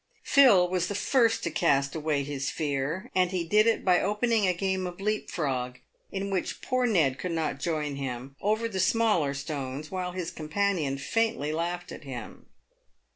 Phil was the first to cast away his fear, and he did it by opening a game of leapfrog (in which poor Ned could not join him) over the smaller stones, while his companion faintly laughed at him.